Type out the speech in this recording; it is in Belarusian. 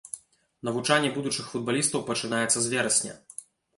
Навучанне будучых футбалістаў пачнецца з верасня.